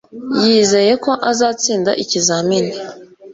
Yizeye ko azatsinda ikizamini